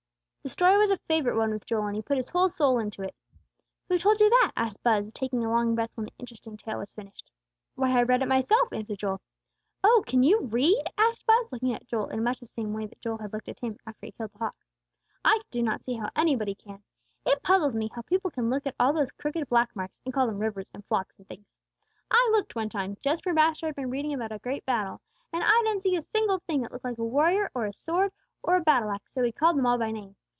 The story was a favorite one with Joel, and he put his whole soul into it. "Who told you that?" asked Buz, taking a long breath when the interesting tale was finished. "Why I read it myself!" answered Joel. "Oh, can you read?" asked Buz, looking at Joel in much the same way that Joel had looked at him after he killed the hawk. "I do not see how anybody can. It puzzles me how people can look at all those crooked black marks and call them rivers and flocks and things. I looked one time, just where Master had been reading about a great battle. And I didn't see a single thing that looked like a warrior or a sword or a battle axe, though he called them all by name.